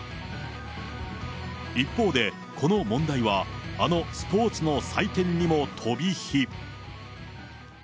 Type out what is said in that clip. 一方で、この問題はあのスポーツの祭典にも飛び火。